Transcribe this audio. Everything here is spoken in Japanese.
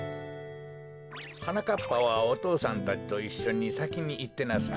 はなかっぱはお父さんたちといっしょにさきにいってなさい。